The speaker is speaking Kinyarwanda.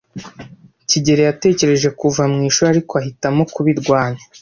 kigeli yatekereje kuva mu ishuri, ariko ahitamo kubirwanya.